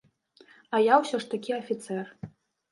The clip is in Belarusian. А я ўсё ж такі афіцэр.